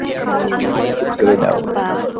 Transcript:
পিঙ্কি, ছেড়ে দাও!